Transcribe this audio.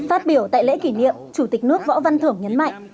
phát biểu tại lễ kỷ niệm chủ tịch nước võ văn thưởng nhấn mạnh